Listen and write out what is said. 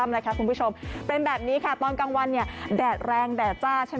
อะไรค่ะคุณผู้ชมเป็นแบบนี้ค่ะตอนกลางวันเนี่ยแดดแรงแดดจ้า